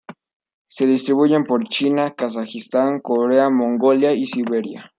Se distribuyen por China, Kazajistán, Corea, Mongolia y Siberia.